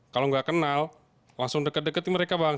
kalau gak kenal langsung deket deket nih mereka bang